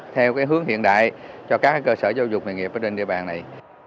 theo cái hướng hiện đại cho các cơ sở giáo dục nghề nghiệp ở trên địa bàn này